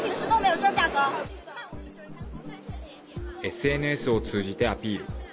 ＳＮＳを通じてアピール。